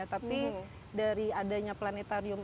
tapi dari adanya planetarium